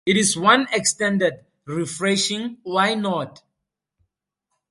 It's one extended, refreshing 'Why not?'.